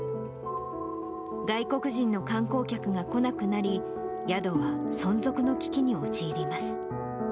外国人の観光客が来なくなり、宿は存続の危機に陥ります。